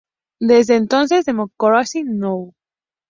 Desde entonces Democracy Now!